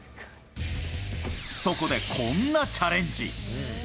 そこでこんなチャレンジ。